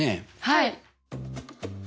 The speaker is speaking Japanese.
はい。